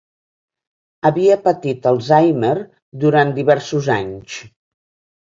Havia patit alzheimer durant diversos anys.